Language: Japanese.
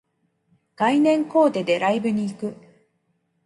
概念コーデでライブに行く